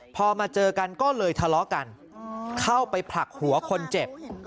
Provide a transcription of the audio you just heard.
พอมาเจอกันก็เลยทะเลาะกันเข้าไปผลักหัวคนเจ็บ